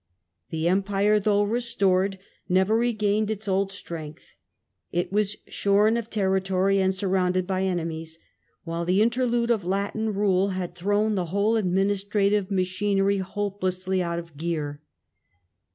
The Empire, though restored, never regained its old Weakness strength ; it was shorn of territory and surrounded by Eastern enemies, while the interlude of Latin rule had thrown ^'^p^^^^ the whole administrative machinery hopelessly out of gear.